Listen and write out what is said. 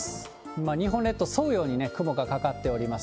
今、日本列島を沿うように雲がかかっております。